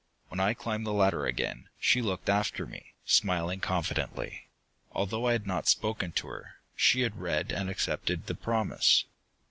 When I climbed the ladder again, she looked after me, smiling confidently. Although I had not spoken to her, she had read and accepted the promise.